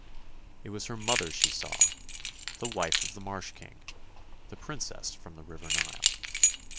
It was her mother she saw, the wife of the Marsh King, the princess from the river Nile.